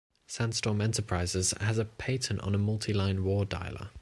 Sandstorm Enterprises has a patent on a multi-line war dialer.